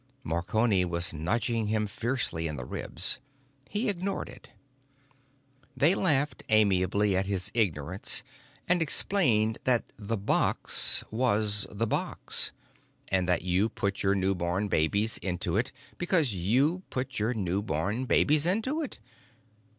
Marconi was nudging him fiercely in the ribs. He ignored it. They laughed amiably at his ignorance and explained that the box was the box, and that you put your newborn babies into it because you put your newborn babies into it.